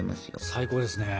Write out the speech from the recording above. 最高ですね。